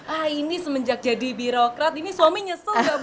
ah ini semenjak jadi birokrat ini suami nyesel nggak bu